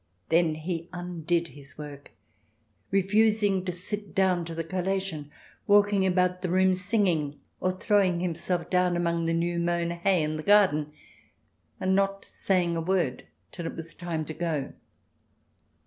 Then he undid his work, refusing to sit down to the collation, walking about the room singing, or throwing himself down among the new mown hay in the garden and not saying a word till it was time to go.